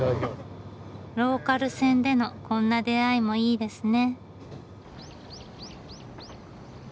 ローカル線でのこんな出会いもいいですね。